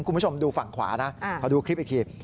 คุณผู้ชมดูฝั่งขวานะขอดูคลิปอีกที